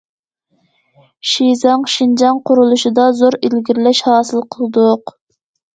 شىزاڭ شىنجاڭ قۇرۇلۇشىدا زور ئىلگىرىلەش ھاسىل قىلدۇق.